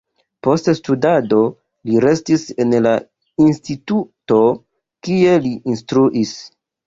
Post studado li restis en la instituto, kie li instruis.